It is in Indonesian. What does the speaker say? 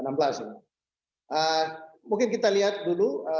mungkin kita lihat dulu